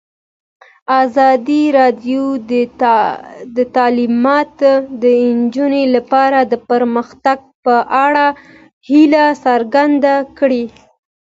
ازادي راډیو د تعلیمات د نجونو لپاره د پرمختګ په اړه هیله څرګنده کړې.